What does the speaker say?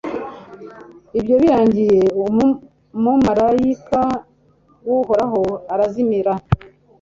ibyo birangiye, umumalayika w'uhoraho arazimira